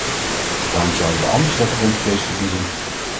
Waarom zouden we anders dat rundvlees verbieden?